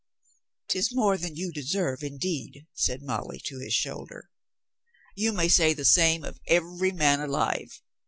" 'Tis more than you deserve, indeed," said Molly to his shoulder. "You may say the same of every man alive.